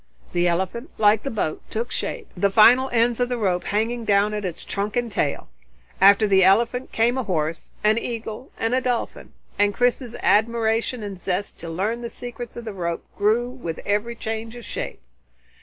The elephant, like the boat, took shape, the final ends of the rope hanging down at its trunk and tail. After the elephant came a horse, an eagle, and a dolphin, and Chris's admiration and zest to learn the secrets of the rope grew with every change of shape.